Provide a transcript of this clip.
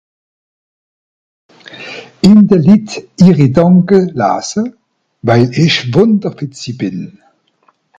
Ìn de Litt ìhri Gedànke lase, weil ìch wùnderfìtzi bìn.